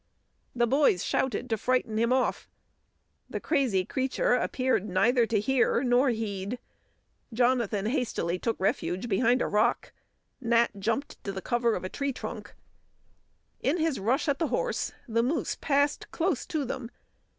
The boys shouted to frighten him off. The crazy creature appeared neither to hear nor heed. Jonathan hastily took refuge behind a rock; Nat jumped to cover of a tree trunk. In his rush at the horse, the moose passed close to them.